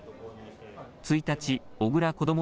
１日、小倉こども